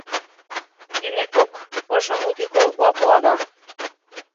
Enekok oso mutiko guapoa da.